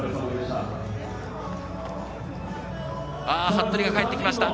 服部が帰ってきました。